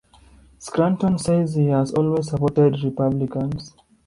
Scranton says he has always supported Republicans.